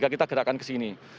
kita gerakkan ke sini